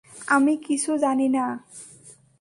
আমি কিছু জানি না।